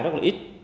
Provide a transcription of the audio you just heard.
rất là ít